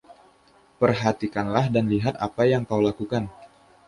Perhatikanlah dan lihat apa yang kau lakukan.